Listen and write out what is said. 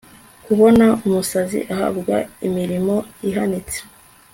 kubona umusazi ahabwa imirimo ihanitse